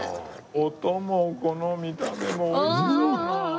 音もこの見た目も美味しそう。